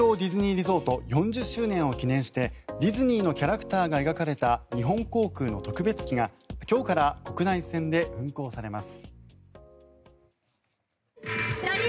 リゾート４０周年を記念してディズニーのキャラクターが描かれた日本航空の特別機が今日から国内線で運航されます。